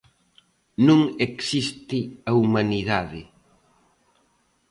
Non existe a humanidade.